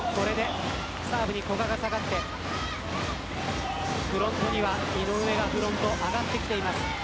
サーブに古賀が下がってブロックには井上がフロントに上がってきています。